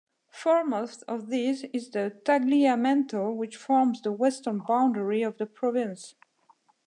Foremost of these is the Tagliamento which forms the western boundary of the province.